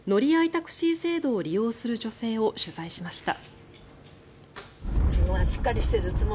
タクシー制度を利用する女性を取材しました。